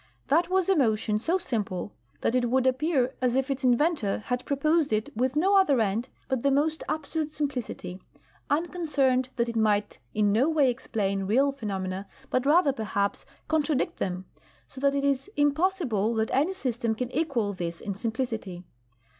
That was a motion so simple that it would appear as if its inventor had proposed it with no other end but the most absolute simplicity, unconcerned that it might in no way explain real phenom ena, but rather, perhaps, contradict them; so that it is impossible that any system can equal this in simplicity.